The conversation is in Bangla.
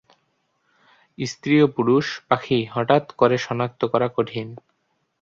স্ত্রী ও পুরুষ পাখি হঠাৎ করে শনাক্ত করা কঠিন।